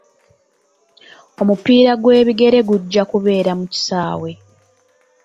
Omupiira gw'ebigere gujja kubeera mu kisaawe.